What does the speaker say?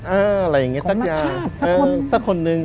อะไรอย่างนี้สักอย่างสักคนนึง